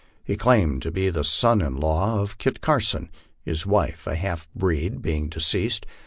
He claimed to be a son in law of Kit Carson, his wife, a half breed, being deceased.